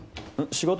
仕事？